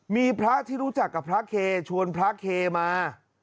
มีพระที่รู้จักกับพระเคชวนพระเคมา